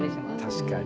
確かに。